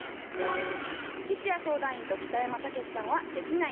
吉弥相談員と北山たけしさんは「できない」